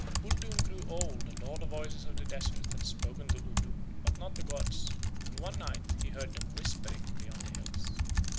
Uldoon grew old and all the voices of the desert had spoken to Uldoon, but not the gods, when one night he heard Them whispering beyond the hills.